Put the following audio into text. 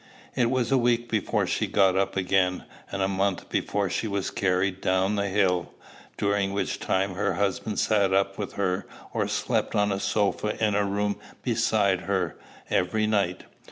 It was a week before she got up again, and a month before she was carried down the hill; during which time her husband sat up with her, or slept on a sofa in the room beside her, every night.